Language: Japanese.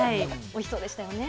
おいしそうでしたよね。